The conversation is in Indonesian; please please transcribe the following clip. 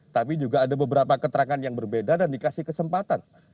tapi juga ada beberapa keterangan yang berbeda dan dikasih kesempatan